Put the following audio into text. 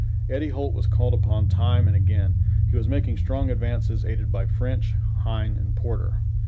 Eddie Holt was called upon time and again. He was making strong advances, aided by French, Hine and Porter.